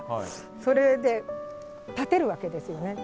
それで建てるわけですよね。